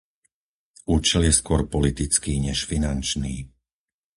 Účel je skôr politický než finančný;